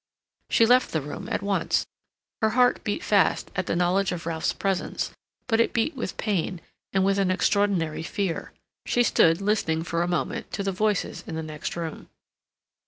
She left the room at once. Her heart beat fast at the knowledge of Ralph's presence; but it beat with pain, and with an extraordinary fear. She stood listening for a moment to the voices in the next room.